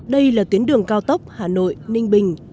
đây là tuyến đường cao tốc hà nội ninh bình